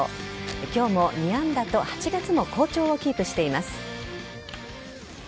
今日も２安打と８月も好調をキープしています。